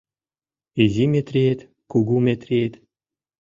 Изи Метриет, кугу Метриет